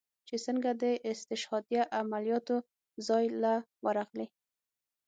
چې سنګه د استشهاديه عملياتو زاى له ورغلې.